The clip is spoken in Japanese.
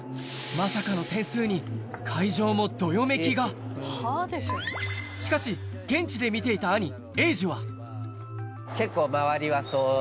まさかの点数に会場もどよめきがしかし現地で見ていた兄英樹は結構。